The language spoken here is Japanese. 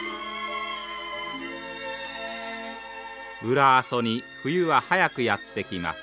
裏阿蘇に冬は早くやって来ます。